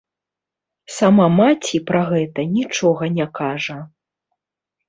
Сама маці пра гэта нічога не кажа.